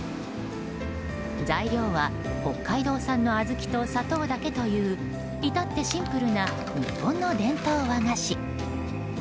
材料は北海道産の小豆と砂糖だけといういたってシンプルな日本の伝統和菓子。